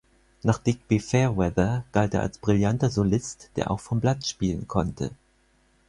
Nach Digby Fairweather galt er als brillanter Solist, der auch vom Blatt spielen konnte.